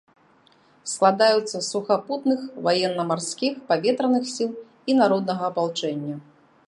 Складаюцца з сухапутных, ваенна-марскіх, паветраных сіл і народнага апалчэння.